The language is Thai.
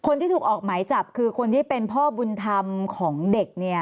คนที่ถูกออกหมายจับคือคนที่เป็นพ่อบุญธรรมของเด็กเนี่ย